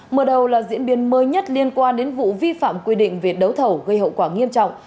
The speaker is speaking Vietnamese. mở đầu là diễn biến mới nhất liên quan đến vụ vi phạm quy định về đấu thầu gây hậu quả nghiêm trọng